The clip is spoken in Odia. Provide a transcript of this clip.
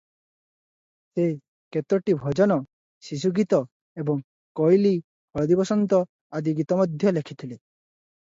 ସେ କେତୋଟି ଭଜନ, ଶିଶୁଗୀତ ଏବଂ କୋଇଲୀ, ହଳଦୀବସନ୍ତ ଆଦି ଗୀତ ମଧ୍ୟ ଲେଖିଥିଲେ ।